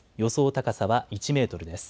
高さは１メートルです。